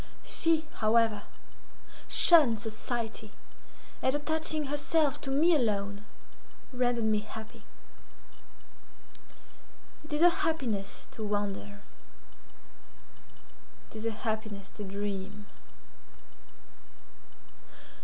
She, however, shunned society, and, attaching herself to me alone rendered me happy. It is a happiness to wonder; it is a happiness to dream.